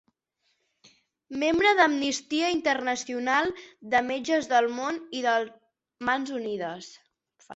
Membre d'Amnistia Internacional, de Metges del Món i de Mans Unides.